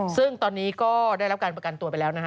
ซึ่งตอนนี้ก็ได้รับการประกันตัวไปแล้วนะฮะ